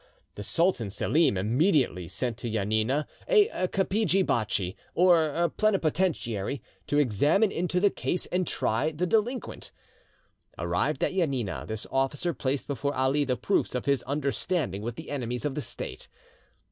The Sultan Selim immediately, sent to Janina a "kapidgi bachi," or plenipotentiary, to examine into the case and try the delinquent. Arrived at Janina, this officer placed before Ali the proofs of his understanding with the enemies of the State.